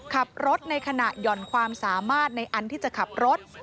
ขับรถในขณะหย่อนความสามารถในอันที่จะขับรถ